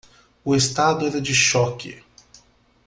O estado era de choque.